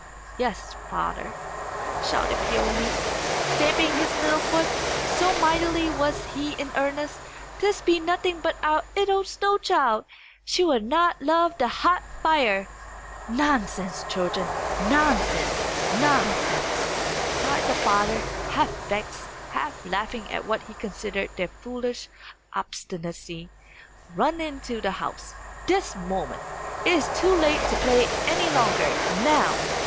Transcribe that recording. "Yes, father," shouted Peony, stamping his little foot, so mightily was he in earnest, "this be nothing but our 'ittle snow child! She will not love the hot fire!" "Nonsense, children, nonsense, nonsense!" cried the father, half vexed, half laughing at what he considered their foolish obstinacy. "Run into the house, this moment! It is too late to play any longer, now.